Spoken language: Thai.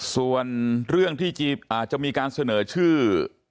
ส่วนเรื่องที่จะจีบอาจจะมีการเสนอชื่อ